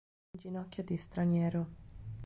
Inginocchiati straniero...